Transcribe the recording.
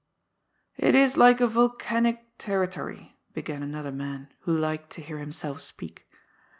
^ It is like a volcanic territory," began another man, who liked to hear himself speak.